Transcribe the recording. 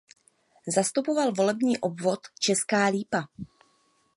Zastupoval volební obvod Česká Lípa.